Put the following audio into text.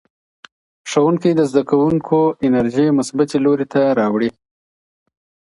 ښوونکی د زدهکوونکو انرژي مثبتې لوري ته راوړي.